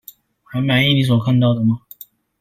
還滿意你所看到的嗎？